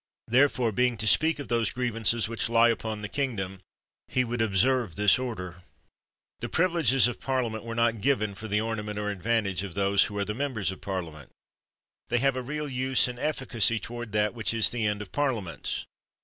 Therefore, being to speak of those grievances which lie upon the kingdom, he would observe this order. The privileges of Parliament were not given for the ornament or advantage of those who are the members of Parliament. They have a real use and efficacy toward that which is the end of parliaments.